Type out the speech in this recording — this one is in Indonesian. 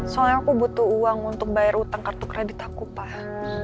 soalnya aku butuh uang untuk bayar utang kartu kredit aku pak